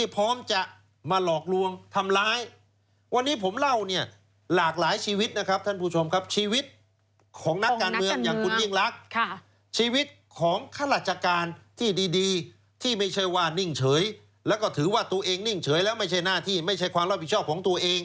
เพราะว่าในกรุงเทพนี่เป็น